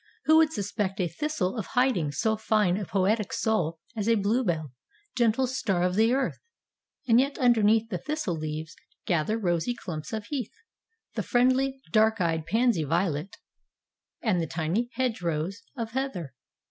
Who would suspect a thistle of hiding so fine a poetic soul as a bluebell, gentle star of the earth ? And yet underneath the thistle leaves gather rosy clumps of heath, the friendly, dark eyed pansy violet and tiny hedgerows of heather.